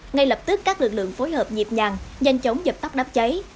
ngay lập tức các lực lượng phối hợp nhịp nhàng nhanh chóng dập tóc đắp cháy